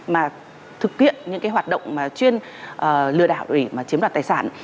mà thực hiện những cái hoạt động mà chuyên lừa đảo để mà chiếm đoạt tài sản